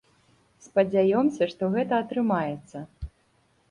Спадзяёмся, што гэта атрымаецца.